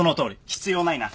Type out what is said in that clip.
必要ないな。